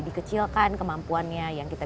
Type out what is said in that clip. dikecilkan kemampuannya yang kita